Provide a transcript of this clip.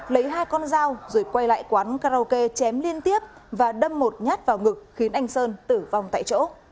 lấy hai con dao rồi quay lại quán karaoke chém liên tiếp và đâm một nhát vào ngực khiến anh sơn tử vong tại chỗ